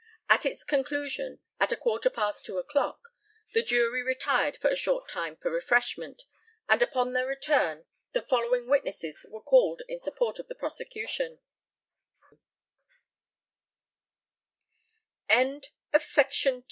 At its conclusion (at a quarter past 2 o'clock) the jury retired for a short time for refreshment, and upon their return the following witnesses were called in support of the prosecution: ISMAEL FISHER, e